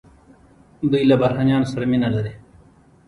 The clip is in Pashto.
دوی له بهرنیانو سره مینه لري.